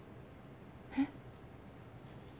えっ？